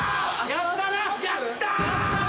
やったー！